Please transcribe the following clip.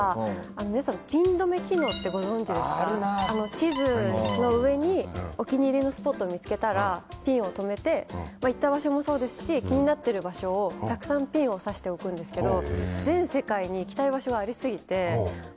地図の上にお気に入りのスポットを見つけたらピンを留めて行った場所もそうですし気になってる場所をたくさんピンをさしておくんですけど。